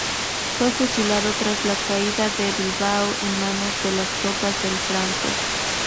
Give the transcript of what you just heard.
Fue fusilado tras la caída de Bilbao en manos de las tropas de Franco.